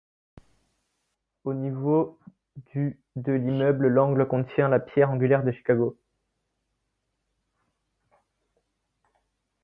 Au niveau du de l'immeuble, l'angle contient la pierre angulaire de Chicago.